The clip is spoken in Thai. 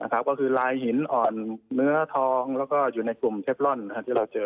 ก็คือลายหินอ่อนเนื้อทองแล้วก็อยู่ในกลุ่มเทปล่อนที่เราเจอ